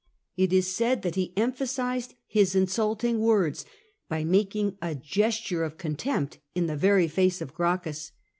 It is said that he emphasised his 8o CAIUS GEACOHUS insTilting words by making a gesture of contempt in tbe very face of Gracchus.